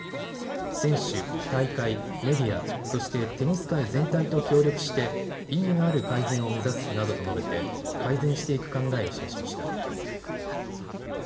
選手、大会、メディア、そしてテニス界全体と協力して意義のある改善を目指すなどと述べて改善していく考えを示しました。